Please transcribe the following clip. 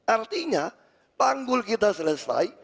artinya panggul kita selesai